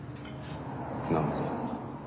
なるほど。